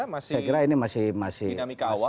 masih dinamika awal